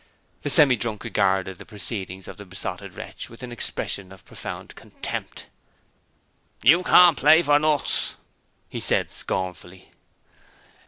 The Semidrunk regarded the proceedings of the Besotted Wretch with an expression of profound contempt. 'You can't play for nuts,' he said scornfully.